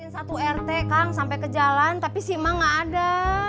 satu rt kang sampai ke jalan tapi sima gak ada